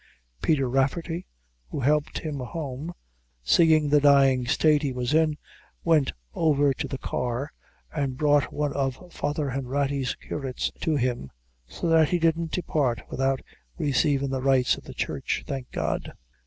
Peter Rafferty, who helped him home, seein' the dyin' state he was in, went over to the Car, and brought one of Father Hanratty's curates to him, so that he didn't depart without resaving the rites of the Church, thank God!"